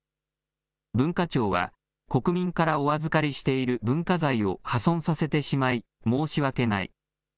文化庁は、国民からお預かりしている文化財を破損させてしまい、申し訳ない。